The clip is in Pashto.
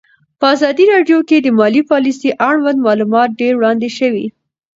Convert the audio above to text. په ازادي راډیو کې د مالي پالیسي اړوند معلومات ډېر وړاندې شوي.